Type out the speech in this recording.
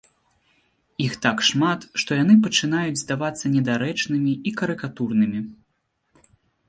Іх так шмат, што яны пачынаюць здавацца недарэчнымі і карыкатурнымі.